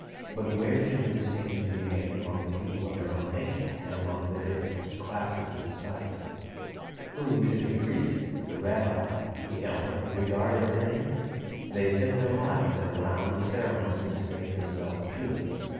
But where should the distinction be made among the people of their own nation, and among the different classes of society? Whom should the priest, the rabbi, the elder, regard as neighbor? They spent their lives in a round of ceremonies to make themselves pure.